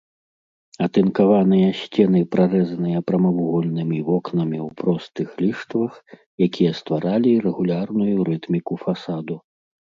Атынкаваныя сцены прарэзаныя прамавугольнымі вокнамі ў простых ліштвах, якія стваралі рэгулярную рытміку фасаду.